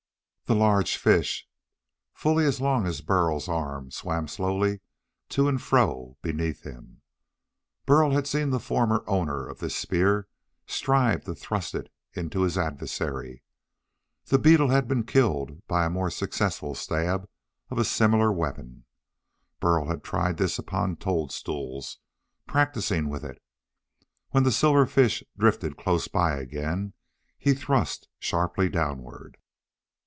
The large fish, fully as long as Burl's arm, swam slowly to and fro beneath him. Burl had seen the former owner of this spear strive to thrust it into his adversary. The beetle had been killed by the more successful stab of a similar weapon. Burl had tried this upon toadstools, practising with it. When the silver fish drifted close by again, he thrust sharply downward.